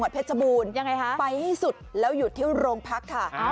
ไปให้สุดแล้วอยู่ที่ลงพักค่ะ